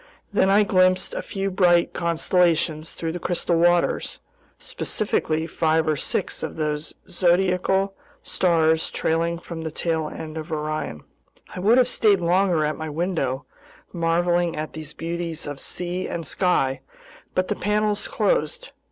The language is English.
Then I glimpsed a few bright constellations through the crystal waters, specifically five or six of those zodiacal stars trailing from the tail end of Orion. I would have stayed longer at my window, marveling at these beauties of sea and sky, but the panels closed.